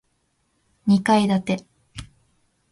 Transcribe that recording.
二階建て